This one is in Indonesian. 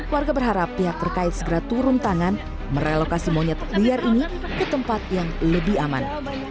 warga berharap pihak terkait segera turun tangan merelokasi monyet liar ini ke tempat yang lebih aman